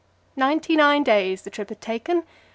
Ninety nine days the trip had taken.